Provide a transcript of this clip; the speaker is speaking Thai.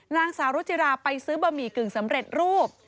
นางสาวรุจิราไปซื้อบะหมี่กึ่งสำเร็จรูป